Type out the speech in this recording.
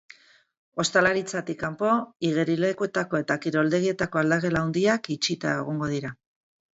Ostalaritzatik kanpo, igerilekuetako eta kiroldegietako aldagela handiak itxita egongo dira.